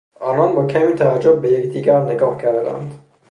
آنان با کمی تعجب به یکدیگر نگاه کردند.